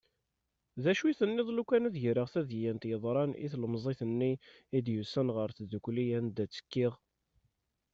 D acu i tenniḍ lukan ad greɣ tadyant yeḍran i tlemẓit-nni i d-yusan ɣer tddukli anda i ttekkiɣ.